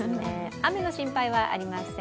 雨の心配はありません。